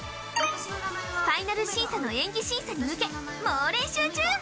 ファイナル審査の演技審査に向け猛練習中！